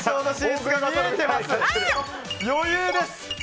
余裕です！